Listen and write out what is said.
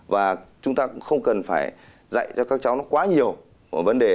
và chúng ta cũng không cần phải dạy cho các cháu quá nhiều một vấn đề